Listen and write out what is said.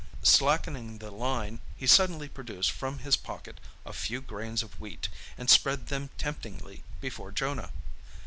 Slackening the line, he suddenly produced from his pocket a few grains of wheat, and spread them temptingly before Jonah.